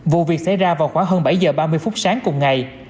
vụ việc xảy ra vào khoảng hơn bảy h ba mươi phút sáng cùng ngày